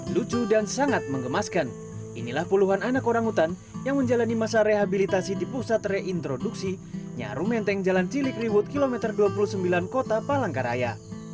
lucu dan sangat mengemaskan inilah puluhan anak orang hutan yang menjalani masa rehabilitasi di pusat reintroduksi nyaru menteng jalan cilikriwut kilometer dua puluh sembilan kota palangkaraya